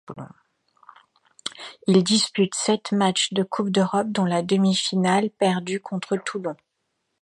Il dispute sept matchs de Coupe d'Europe dont la demi-finale perdue contre Toulon.